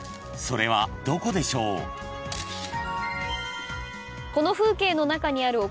［それはどこでしょう？］えっ？